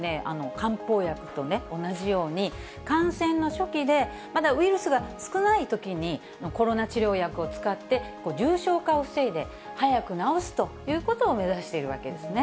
漢方薬と同じように、感染の初期でまだウイルスが少ないときにコロナ治療薬を使って重症化を防いで、早く治すということを目指しているわけですね。